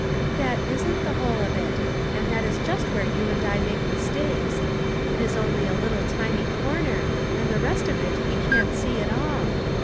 " That isn't the whole of it, and that is just where you and I make mistakes ; it is only a little tiny corner, and the rest of it we can't see at all.